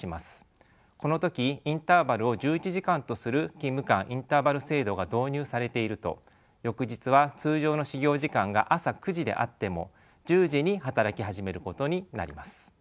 この時インターバルを１１時間とする勤務間インターバル制度が導入されていると翌日は通常の始業時間が朝９時であっても１０時に働き始めることになります。